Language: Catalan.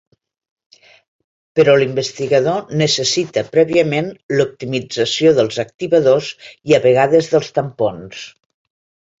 Però l'investigador necessita prèviament l'optimització dels activadors i, a vegades, dels tampons.